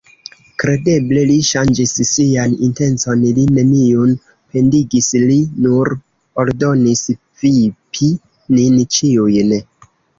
Kredeble, li ŝanĝis sian intencon, li neniun pendigis, li nur ordonis vipi nin ĉiujn.